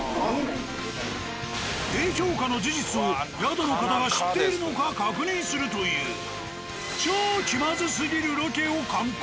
低評価の事実を宿の方が知っているのか確認するという超気まずすぎるロケを敢行。